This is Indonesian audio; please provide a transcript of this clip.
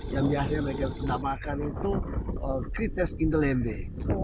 yang biasa mereka tanda makan itu krites in the lembeh